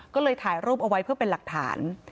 ก็เลยถ่ายรูปเอาไว้เพื่อเป็นหลักฐาน